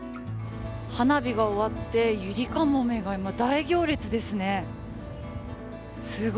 花火が終わって、ゆりかもめが今大行列ですね。